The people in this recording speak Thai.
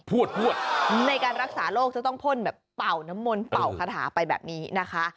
พูดในการรักษาโรคจะต้องพ่นแบบเป่าน้ำมนต์เป่าคาถาไปแบบนี้นะคะ